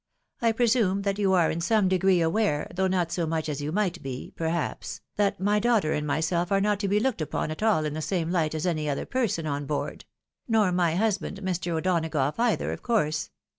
I presume that you are in some degree aware, though not so much as you might be, perhaps, that my daughter and my self are not to be looked upon at aU in the same light as any other person on board ; nor my husband, Mr. O'Donagough, either, of course.